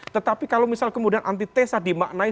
tetapi kalau misal kemudian antitesa dimaknai